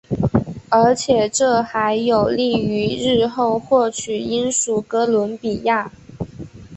而且这还有利于日后获取英属哥伦比亚。